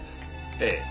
ええ。